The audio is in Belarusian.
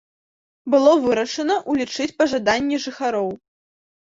Было вырашана ўлічыць пажаданні жыхароў.